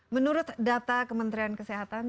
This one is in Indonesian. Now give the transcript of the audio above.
menurut data kementerian kesehatan